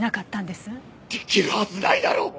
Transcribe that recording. できるはずないだろう！